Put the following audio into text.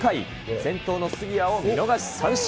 先頭の杉谷を見逃し三振。